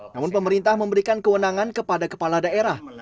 namun pemerintah memberikan kewenangan kepada kepala daerah